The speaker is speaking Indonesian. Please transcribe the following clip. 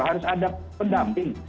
harus ada pendamping